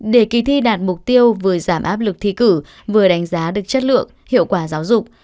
để kỳ thi đạt mục tiêu vừa giảm áp lực thi cử vừa đánh giá được chất lượng hiệu quả giáo dục